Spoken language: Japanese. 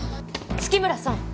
月村さん